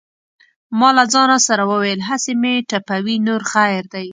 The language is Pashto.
ما له ځانه سره وویل: هسې مې ټپوي نور خیر دی.